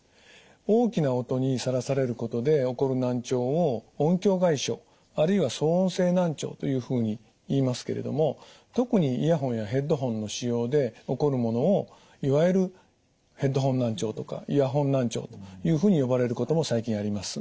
大きな音にさらされることで起こる難聴を音響外傷あるいは騒音性難聴というふうにいいますけれども特にイヤホンやヘッドホンの使用で起こるものをいわゆるヘッドホン難聴とかイヤホン難聴というふうに呼ばれることも最近あります。